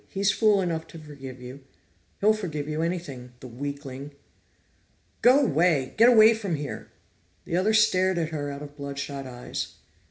"He's fool enough to forgive you. He'll forgive you anything the weakling!" "Go away! Get away from here!" The other stared at her out of blood shot eyes.